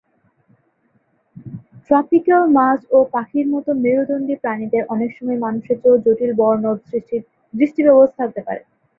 Tropical মাছ ও পাখির মত মেরুদন্ডী প্রাণীদের অনেকসময় মানুষের চেয়েও জটিল বর্ণ দৃষ্টি ব্যবস্থা থাকতে পারে।